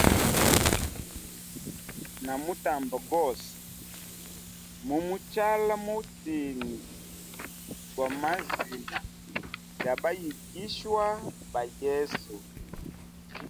Na mutamba gose mumuchala mutindigwa mazinaga bayigishwa ba yesu.